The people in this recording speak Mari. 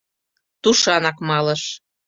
Тушанак малыш.